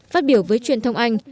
phát biểu với truyền thông anh